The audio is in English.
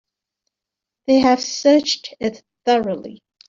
They have searched it thoroughly.